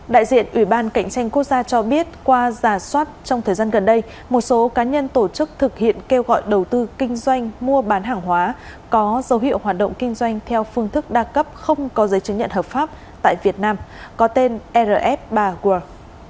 đại diện ủy ban cạnh tranh quốc gia cho biết qua giả soát trong thời gian gần đây một số cá nhân tổ chức thực hiện kêu gọi đầu tư kinh doanh mua bán hàng hóa có dấu hiệu hoạt động kinh doanh theo phương thức đa cấp không có giấy chứng nhận hợp pháp tại việt nam có tên rf ba world